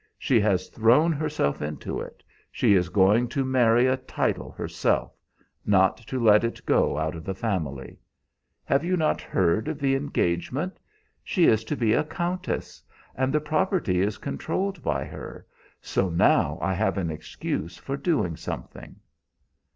She has thrown herself into it. She is going to marry a title herself, not to let it go out of the family. Have you not heard of the engagement? She is to be a countess, and the property is controlled by her, so now I have an excuse for doing something."